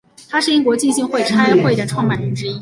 他是英国浸信会差会的创办人之一。